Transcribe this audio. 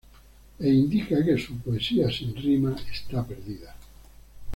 E indica que su poesía sin rima está perdida.